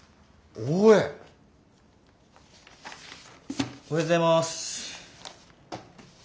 おはようございます。